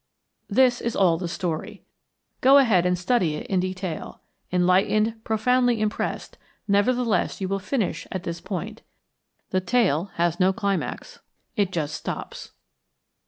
This is all the story. Go there and study it in detail. Enlightened, profoundly impressed, nevertheless you will finish at this point. The tale has no climax. It just stops.